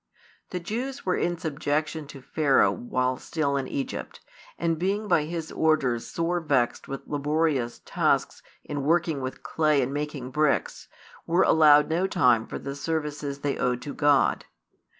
The Jews were in subjection to Pharaoh while still in Egypt, and being by his orders sore vexed with laborious tasks in working with clay |208 and making bricks, were allowed no time for the services they owed to God.